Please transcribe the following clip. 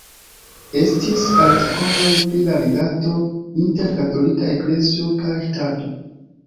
Estis artikoloj pri la rilato inter Katolika Eklezio kaj Ŝtato.